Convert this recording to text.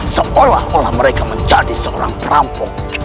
setelah mereka menjadi seorang perampok